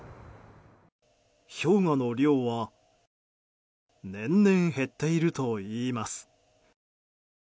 氷河の量は年々減っているといいます。